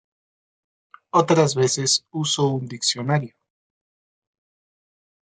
Otras veces uso un diccionario.